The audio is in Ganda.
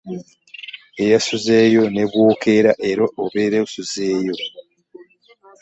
Eyaasuzeeyo ne bw'okeera era obeera osuzeeyo.